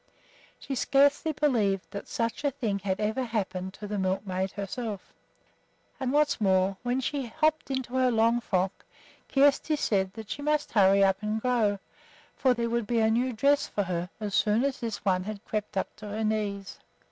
She scarcely believed that such a thing had ever happened to the milkmaid herself. And what was more, when she hopped into her long frock Kjersti said that she must hurry up and grow, for there would be a new dress for her as soon as this one had crept up to her knees.